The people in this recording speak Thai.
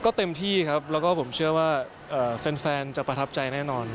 ก็เต็มที่ครับแล้วก็ผมเชื่อว่าแฟนจะประทับใจแน่นอน